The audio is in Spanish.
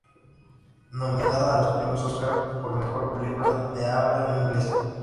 Nominada a los Premios Oscar por Mejor Película de habla no inglesa.